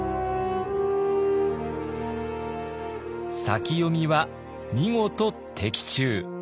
先読みは見事的中。